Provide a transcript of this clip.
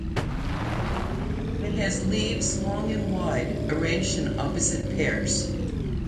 It has leaves long and wide arranged in opposite pairs.